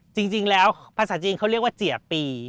จริงแล้วภาษาจีนเขาเรียกว่าเจียปี